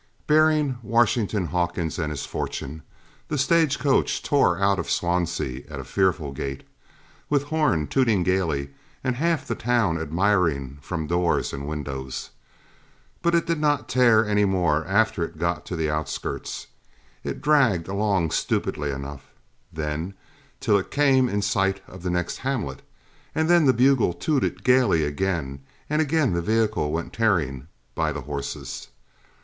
Bearing Washington Hawkins and his fortunes, the stage coach tore out of Swansea at a fearful gait, with horn tooting gaily and half the town admiring from doors and windows. But it did not tear any more after it got to the outskirts; it dragged along stupidly enough, then till it came in sight of the next hamlet; and then the bugle tooted gaily again and again the vehicle went tearing by the horses.